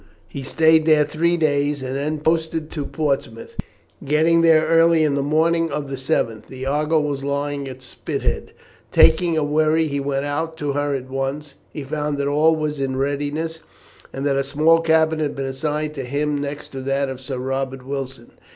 He stayed there three days, and then posted to Portsmouth, getting there early on the morning of the 7th. The Argo was lying at Spithead. Taking a wherry he went out to her at once. He found that all was in readiness, and that a small cabin had been assigned to him next to that of Sir Robert Wilson.